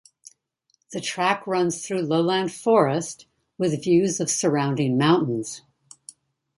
The track runs through lowland forest, with views of surrounding mountains.